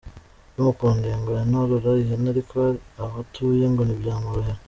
Bimukundiye ngo yanorora ihene ariko aho atuye ngo ntibyamworohera.